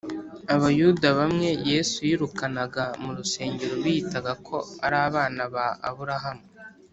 Abayuda bamwe Yesu yirukanaga mu rusengero biyitaga ko ari abana ba Aburahamu,